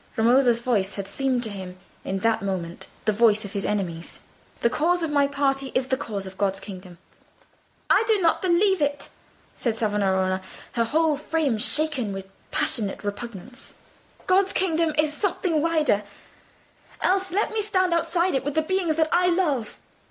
Romola's voice had seemed to him in that moment the voice of his enemies. "The cause of my party is the cause of God's kingdom." "I do not believe it!" said Romola, her whole frame shaken with passionate repugnance. "God's kingdom is something wider—else, let me stand outside it with the beings that I love."